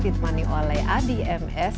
ditemani oleh adi ms